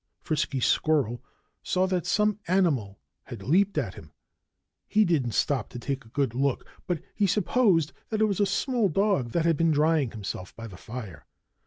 Frisky Squirrel saw that some animal had leaped at him. He didn't stop to take a good look; but he supposed that it was a small dog that had been drying himself by the fire.